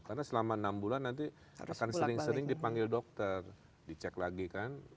karena selama enam bulan nanti akan sering sering dipanggil dokter dicek lagi kan